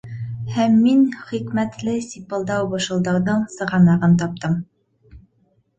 Һәм мин хикмәтле сипылдау-бышылдауҙың сығанағын таптым.